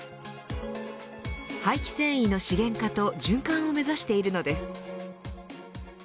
廃棄繊維の資源化と循環を目指しているのです。